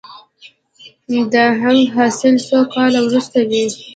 د هنګ حاصل څو کاله وروسته وي؟